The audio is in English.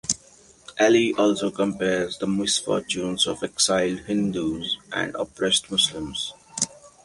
Ali also compares the misfortunes of exiled Hindus and oppressed Muslims.